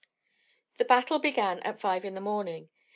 The battle began at five in the morning.